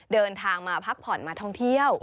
เดินทางมาพักผ่อนมาท่องเที่ยว